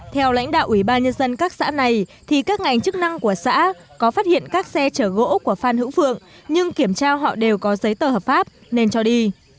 theo lãnh đạo ủy ban nhân dân các xã này các ngành chức năng của xã có phát hiện các xe chở gỗ của phan hữu phượng nhưng kiểm tra họ đều có giấy tờ hợp pháp nên cho đi